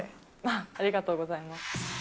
ありがとうございます。